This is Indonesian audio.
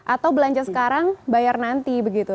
atau belanja sekarang bayar nanti begitu